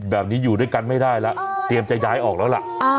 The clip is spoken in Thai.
แบบนี้อยู่ด้วยกันไม่ได้แล้วเตรียมจะย้ายออกแล้วล่ะ